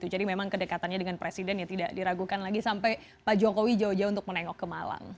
jadi memang kedekatannya dengan presiden tidak diragukan lagi sampai pak jokowi jauh jauh untuk menengok ke malang